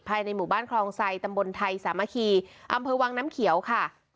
ในหมู่บ้านคลองไซตำบลไทยสามัคคีอำเภอวังน้ำเขียวค่ะ